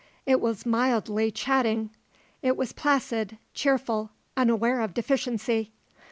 It was mildly chatting. It was placid, cheerful, unaware of deficiency.